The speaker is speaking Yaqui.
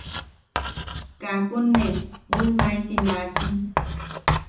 Kaakun nee bwijmaisi maachi.